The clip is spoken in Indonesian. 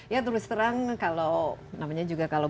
ya terus terang kalau